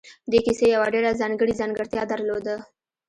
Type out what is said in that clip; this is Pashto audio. دې کيسې يوه ډېره ځانګړې ځانګړتيا درلوده.